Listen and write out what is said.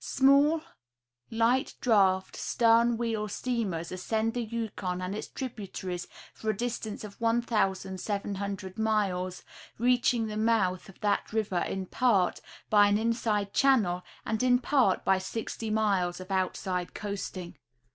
Small, light draught, stern wheel steamers ascend the Yukon and its tributaries for a distance of 1,700 miles, reaching the mouth of that river in part by an inside channel and in part by sixty miles of outside coasting.